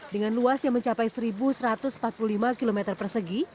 dengan luas yang mencapai satu satu ratus empat puluh lima km persegi